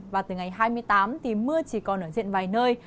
và từ ngày hai mươi tám thì mưa chỉ còn ở diện vài nơi